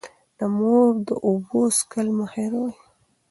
د مور د اوبو څښل مه هېروئ.